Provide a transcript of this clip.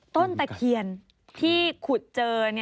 ต้นตะเขียนที่ขุดเจอนะคะ